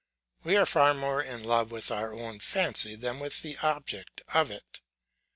We are far more in love with our own fancy than with the object of it.